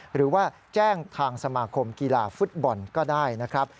หรือว่าแจ้งทางสมาคมกีฬาฟุตบอลก็ได้นะครับ